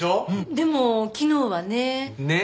でも昨日はねっ。